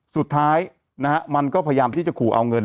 สุดท้ายนะฮะมันก็พยายามที่จะขู่เอาเงิน